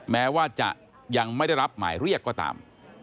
แม้ว่าจะยังไม่ได้รับหมายเรียกก็ตาม